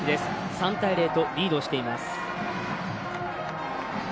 ３対０とリードしています。